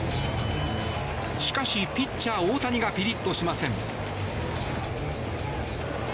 しかし、ピッチャー大谷がピリッとしません。